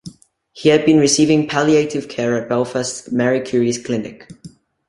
He had been receiving palliative care at Belfast's Marie Curie clinic.